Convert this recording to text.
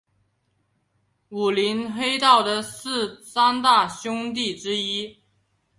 武林黑道的三大凶地之一。